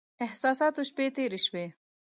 احساساتو شپې تېرې شوې.